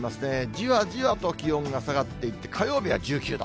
じわじわと気温が下がっていって、火曜日は１９度。